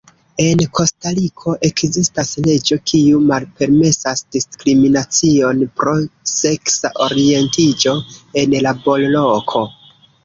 En Kostariko ekzistas leĝo kiu malpermesas diskriminacion pro seksa orientiĝo en laborloko.